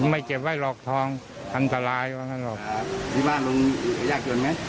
ไม่เจ็บไว้หรอกทองอันตรายว่านั่นหรอก